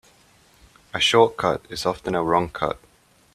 A short cut is often a wrong cut.